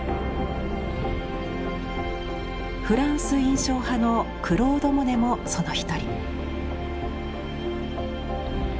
フランス印象派のクロード・モネもその一人。